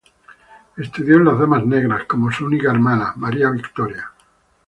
Estudió en las Damas Negras, como su única hermana, María Victoria.